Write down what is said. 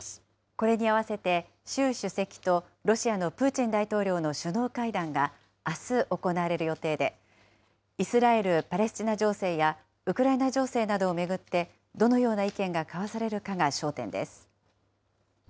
これに合わせて、習主席とロシアのプーチン大統領の首脳会談があす行われる予定で、イスラエル・パレスチナ情勢や、ウクライナ情勢などを巡って、どのような意見が交わされるかが焦点です。